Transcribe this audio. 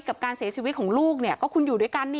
กับการเสียชีวิตของลูกก็คุณอยู่ด้วยกัน